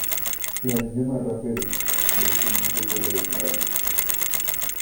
Se hacen llamar raperos, los primos de Torrelavit.